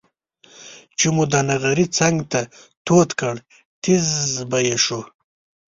چې مو د نغري څنګ ته توده کړه تيزززز به یې شو.